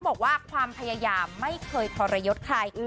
บอกว่าความพยายามไม่เคยทรยศใคร